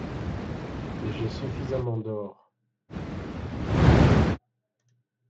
J’ai suffisamment d’or.